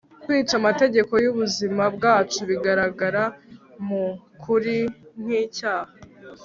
kwica amategeko y'ubuzima bwacu bigaragara mu kuri nk'icyaha